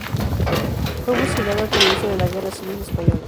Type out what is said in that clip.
Fue fusilado al comienzo de la Guerra Civil Española.